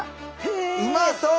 うまそう！